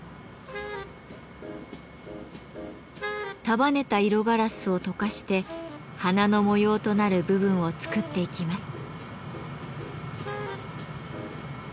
束ねた色ガラスを溶かして花の模様となる部分を作っていきます。